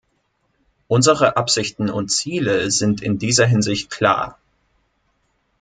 Unsere Absichten und Ziele sind in dieser Hinsicht klar.